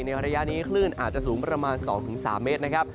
ระยะนี้คลื่นอาจจะสูงประมาณ๒๓เมตรนะครับ